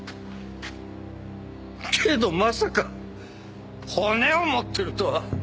けどまさか骨を持ってるとは。